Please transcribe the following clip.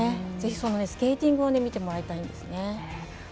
ぜひ、そのスケーティングを見てもらいたいです。